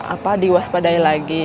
apa diwaspadai lagi